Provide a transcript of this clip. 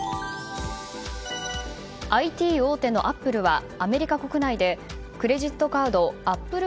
ＩＴ大手のアップルはアメリカ国内でクレジットカードアップル